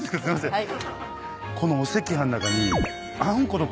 はい。